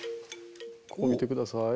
ここ見て下さい。